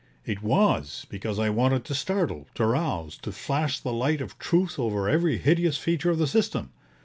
It was, because I wanted to startle, to rouse, to flash the light of truth over every hideous feature of the system.